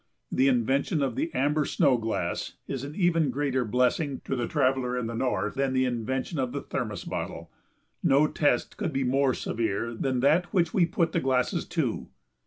The invention of the amber snow glass is an even greater blessing to the traveller in the north than the invention of the thermos bottle. No test could be more severe than that which we put these glasses to.